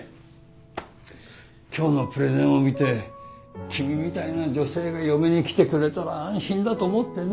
今日のプレゼンを見て君みたいな女性が嫁に来てくれたら安心だと思ってね。